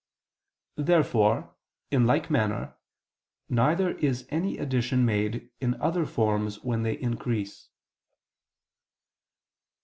Therefore, in like manner, neither is any addition made in other forms when they increase.